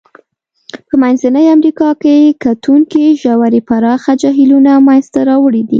په منځنۍ امریکا کې تکتونیکي ژورې پراخه جهیلونه منځته راوړي دي.